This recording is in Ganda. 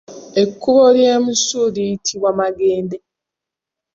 Ekkubo ly’emisu liyitibwa Magende.